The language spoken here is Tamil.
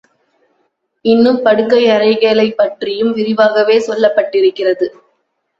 இன்னும் படுக்கை அறைகளைப் பற்றியும் விரிவாகவே சொல்லப்பட்டிருக்கிறது.